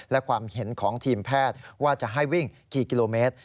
และความเห็นของทีมแพทย์ว่าจะให้วิ่งกี่กิโลเมตร